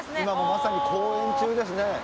今もまさに公演中ですね。